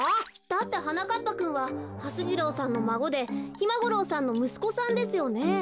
だってはなかっぱくんははす次郎さんのまごでひまごろうさんのむすこさんですよね？